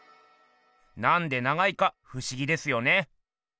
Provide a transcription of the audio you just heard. なんで長いかふしぎですよね。